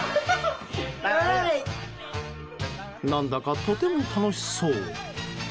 何だか、とても楽しそう。